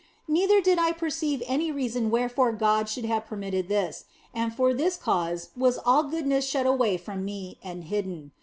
Neither did I perceive any reason wherefore God should have permitted this, and for this cause was all goodness shut away from me and hidden.